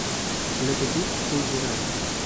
Le Petit-Fougeray